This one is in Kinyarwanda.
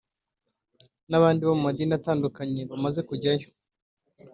n’abandi bo mu madini atandukanye bamaze kujyayo